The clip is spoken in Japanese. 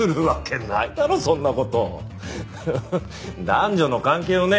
男女の関係をね